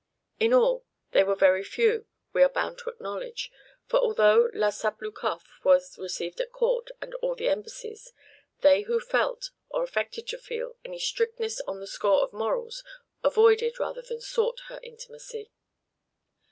In all, they were very few, we are bound to acknowledge; for although La Sabloukoff was received at court and all the embassies, they who felt, or affected to feel, any strictness on the score of morals avoided rather than sought her intimacy.